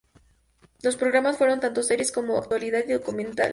Los programas fueron tanto series, como de actualidad y documentales.